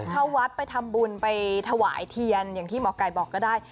เข้าวัดไปทำบุญไปถวายเทียนอย่างที่หมอไก่บอกก็ได้